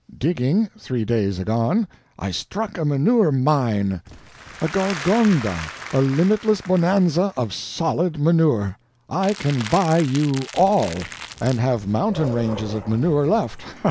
Digging, three days agone, I struck a manure mine! a Golconda, a limitless Bonanza, of solid manure! I can buy you ALL, and have mountain ranges of manure left!